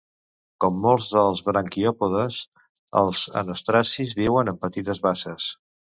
Com molts dels branquiòpodes, els anostracis viuen en petites basses.